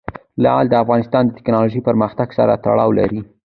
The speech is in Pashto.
لعل د افغانستان د تکنالوژۍ پرمختګ سره تړاو لري.